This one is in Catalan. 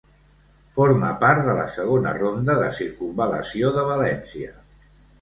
Forma part de la segona ronda de circumval·lació de València.